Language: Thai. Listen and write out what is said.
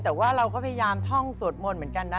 แต่ว่าเราก็พยายามท่องสวดมนต์เหมือนกันนะ